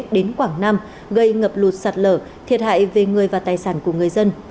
đến quảng nam gây ngập lụt sạt lở thiệt hại về người và tài sản của người dân